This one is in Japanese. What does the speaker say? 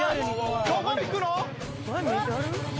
どこ行くの？